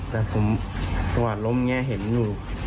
แต่ผมตอนล้มแง่เห็นอยู่